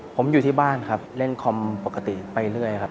ผมอยู่ที่บ้านครับเล่นคอมปกติไปเรื่อยครับ